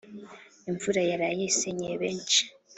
Imvura yaraye isenyeye benshi